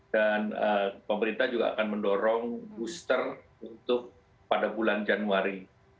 pemerintah juga akan mendorong booster untuk pada bulan januari